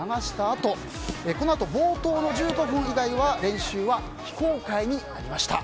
あとこのあと冒頭の１５分以外は練習は非公開になりました。